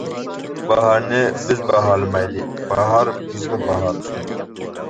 باھارنى بىز باھالىمايلى باھار بىزنى باھالىسۇن.